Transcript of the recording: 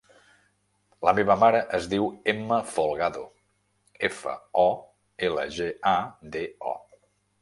La meva mare es diu Emma Folgado: efa, o, ela, ge, a, de, o.